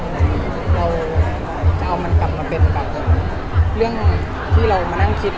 แต่เราก็จะเอามันกลับมาเป็นเรื่องที่เรามันมักนั่งคิด